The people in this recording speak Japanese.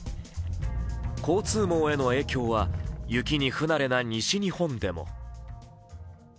交通網への影響は雪に不慣れな西日本でも。